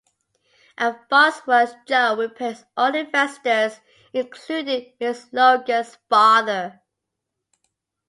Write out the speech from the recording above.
As Farnsworth, Joe repays all the investors, including Miss Logan's father.